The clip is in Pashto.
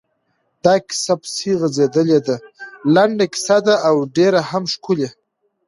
دا کیسه پسې غځېدلې ده، لنډه کیسه ده او ډېره هم ښکلې…